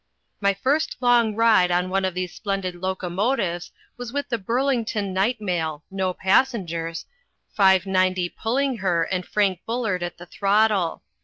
My first long ride on one of these splendid locomotives was with the Burlington night mail (no passengers), 590 pulling her and Frank Bullard at the throttle.